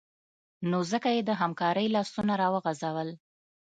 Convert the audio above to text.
نو ځکه یې د همکارۍ لاسونه راوغځول